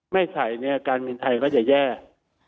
ไม่ใส่เนี่ยการบินไทยก็จะแย่